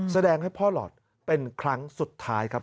แสดงให้พ่อหลอดเป็นครั้งสุดท้ายครับ